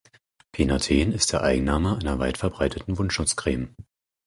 Penaten ist der Eigenname einer weit verbreiteten Wundschutz-Creme.